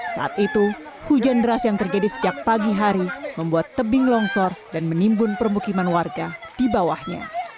saat itu hujan deras yang terjadi sejak pagi hari membuat tebing longsor dan menimbun permukiman warga di bawahnya